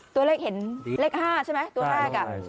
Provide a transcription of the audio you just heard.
ตัวเลขเห็นเลข๕ใช่ไหมตัวแรก